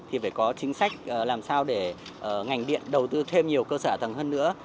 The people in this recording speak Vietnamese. thì phải có chính sách làm sao để ngành điện đầu tư thêm nhiều cơ sở tầng hơn nữa